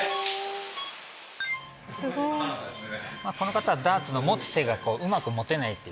この方はダーツの持つ手がうまく持てないっていう。